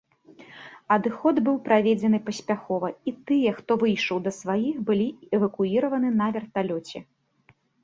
Адыход быў праведзены паспяхова і тыя, хто выйшаў да сваіх былі эвакуіраваны на верталёце.